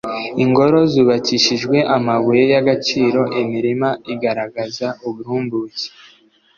ingoro zubakishijwe amabuye y'agaciro, imirima igaragaza uburumbuke,